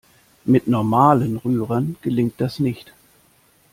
Mit normalen Rührern gelingt das nicht.